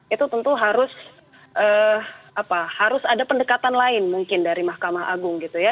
itu tentu harus ada pendekatan lain mungkin dari mahkamah agung gitu ya